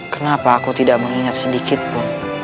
kenapa aku tidak mengingat sedikit pun